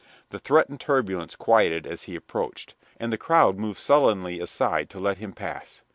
The threatened turbulence quieted as he approached, and the crowd moved sullenly aside to let him pass.